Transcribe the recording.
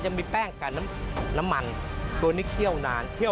ไสมัยนี่มันจะช้าไม่ได้เลยเพราะช้าเสียทั้งที